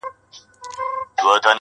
مساپري بده بلا ده -